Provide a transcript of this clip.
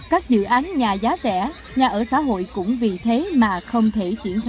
các dự án nhà giá rẻ nhà ở xã hội cũng vì thế mà không thể triển khai